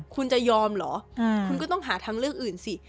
คุณจะยอมเหรอคุณก็ต้องหาทางเลือกอื่นสิ